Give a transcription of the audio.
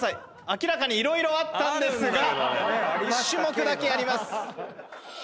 明らかに色々あったんですが１種目だけやります。